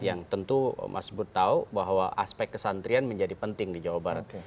yang tentu mas bud tahu bahwa aspek kesantrian menjadi penting di jawa barat